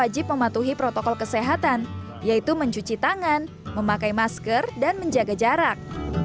wajib mematuhi protokol kesehatan yaitu mencuci tangan memakai masker dan menjaga jarak